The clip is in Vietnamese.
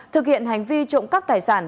thực hiện hành vi trộm cắp tài sản